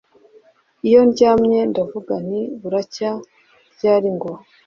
iyo ndyamye ndavuga nti buracya ryari ngo